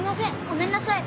ごめんなさい。